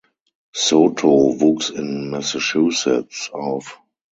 Soto wuchs in Massachusetts auf.